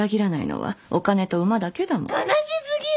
悲し過ぎる。